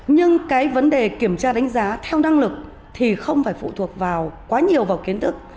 nhưng cái vấn đề kiểm tra đánh giá theo năng lực thì không phải phụ thuộc vào quá nhiều vào kiến thức